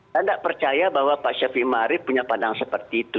saya tidak percaya bahwa pak syafi imah rufi punya pandangan seperti itu